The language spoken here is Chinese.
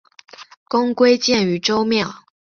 公归荐于周庙。